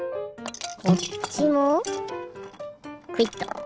こっちもクイッと。